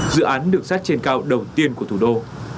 dự án được xét trên cao đầu tiên của thủ đô